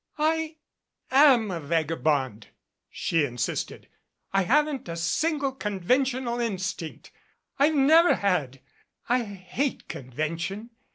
"I am a vagabond," she insisted. "I haven't a single conventional instinct. I've never had. I hate convention.